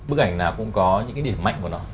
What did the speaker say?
bức ảnh nào cũng có những cái điểm mạnh của nó